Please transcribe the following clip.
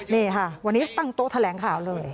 นี่ค่ะวันนี้ตั้งโต๊ะแถลงข่าวเลย